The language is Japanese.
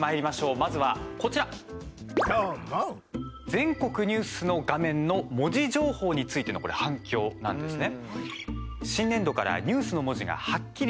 全国ニュースの画面の文字情報についての反響なんですね。